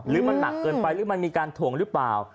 หรือมันหนักเกินไปหรือมันมีการถวงหรือเปล่า